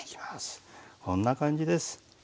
こんな感じです。